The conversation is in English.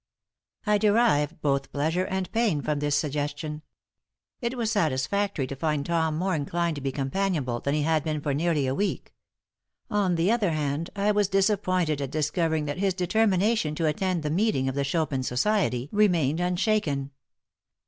I derived both pleasure and pain from this suggestion. It was satisfactory to find Tom more inclined to be companionable than he had been for nearly a week. On the other hand, I was disappointed at discovering that his determination to attend the meeting of the Chopin Society remained unshaken.